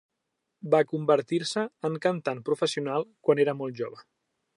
Va convertir-se en cantant professional quan era molt jove.